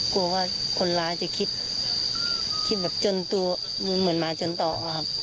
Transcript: กลัวว่าคนร้ายจะคิดคิดแบบจนตัวเหมือนมาจนต่อครับ